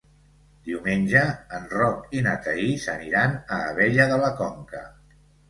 Diumenge en Roc i na Thaís aniran a Abella de la Conca.